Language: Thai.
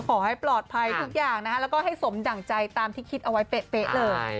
ขอให้ปลอดภัยทุกอย่างนะคะแล้วก็ให้สมดั่งใจตามที่คิดเอาไว้เป๊ะเลย